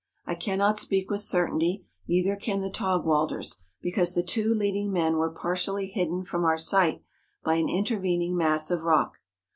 I cannot speak with certainty, neither can the Taugwalders, be¬ cause the two leading men were partially hidden from our sight by an intervening mass of rock.